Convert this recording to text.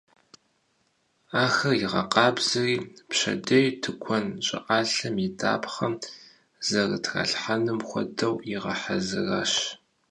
Ахэр игъэкъабзэри, пщэдей тыкуэн щӀыӀалъэм и дапхъэм зэрытралъхьэнум хуэдэу игъэхьэзыращ.